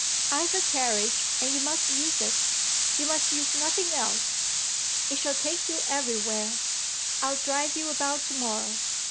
I've a carriage and you must use it; you must use nothing else. It shall take you everywhere. I'll drive you about to morrow."